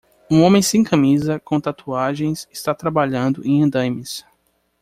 Um homem sem camisa com tatuagens está trabalhando em andaimes.